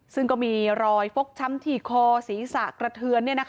ซึ่งก็มีรอยฟกช้ำที่คอศีรษะกระเทือน